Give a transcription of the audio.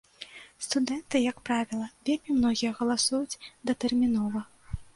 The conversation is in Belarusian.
Студэнты, як правіла, вельмі многія галасуюць датэрмінова.